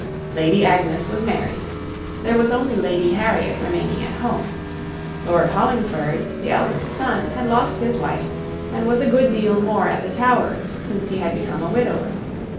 Lady Agnes was married; there was only Lady Harriet remaining at home; Lord Hollingford, the eldest son, had lost his wife, and was a good deal more at the Towers since he had become a widower.